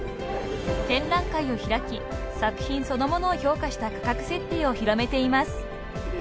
［展覧会を開き作品そのものを評価した価格設定を広めています］